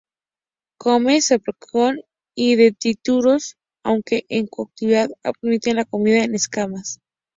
Come zooplancton y detritus aunque en cautividad admiten la comida en escamas.